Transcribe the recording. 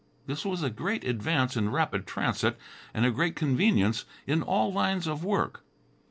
This was a great advance in rapid transit and a great convenience in all lines of work.